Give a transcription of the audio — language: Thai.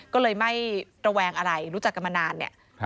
ก็เลยไม่ระแวงอะไรรู้จักกันมานานเนี่ย